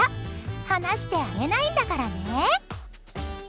離してあげないんだからね！